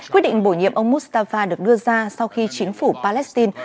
quyết định bổ nhiệm ông mustafa được đưa ra sau khi chính phủ palestine